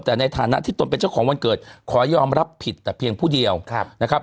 แต่ในฐานะที่ตนเป็นเจ้าของวันเกิดขอยอมรับผิดแต่เพียงผู้เดียวนะครับ